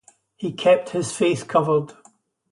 He kept his face covered.